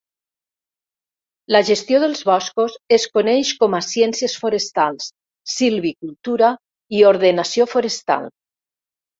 La gestió dels boscos es coneix com a ciències forestals, silvicultura i ordenació forestal.